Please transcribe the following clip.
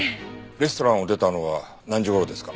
レストランを出たのは何時頃ですか？